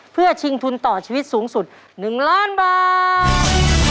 เพื่อชิงทุนต่อชีวิตสูงสุด๑ล้านบาท